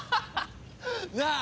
なあ？